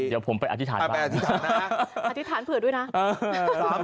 เดี๋ยวผมไปอธิษฐานบ้างอธิษฐานเผื่อด้วยนะ